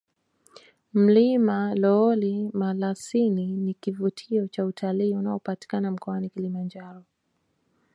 mlima lool malasin ni kivutio cha utalii unapatikana mkoani Kilimanjaro